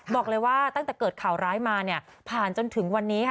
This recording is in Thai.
บอกเลยว่าตั้งแต่เกิดข่าวร้ายมาเนี่ยผ่านจนถึงวันนี้ค่ะ